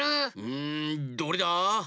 うんどれだ？